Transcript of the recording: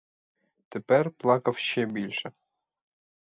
Тепер плакав ще більше.